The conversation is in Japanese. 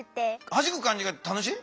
はじく感じが楽しい？